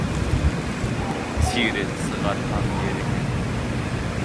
Тиреҫ сығарһаң ереңә